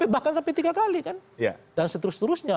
bahkan sampai tiga kali kan dan seterusnya